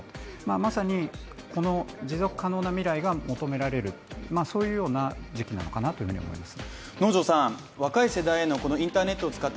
まさに持続可能な未来が求められる、そういうような時期なのかなと思います。